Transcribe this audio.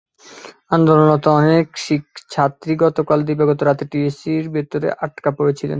আন্দোলনরত অনেক ছাত্রী গতকাল দিবাগত রাতে টিএসসির ভেতরে আটকা পড়েছিলেন।